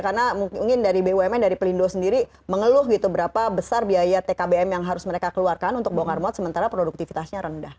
karena mungkin dari bumn dari pelindo sendiri mengeluh gitu berapa besar biaya tkbm yang harus mereka keluarkan untuk bongkar muat sementara produktivitasnya rendah